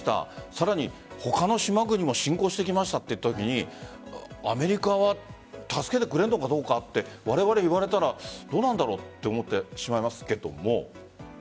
さらに他の島国も侵攻してきましたといったときにアメリカは助けてくれるのかどうかってわれわれ、言われたらどうなんだろうって思ってしまいますけれども。